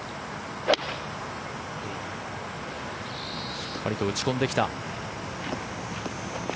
しっかりと打ち込んできた。